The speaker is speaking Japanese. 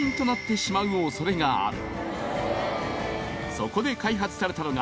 そこで開発されたのが